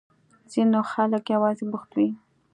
ځينې خلک يوازې بوخت وي.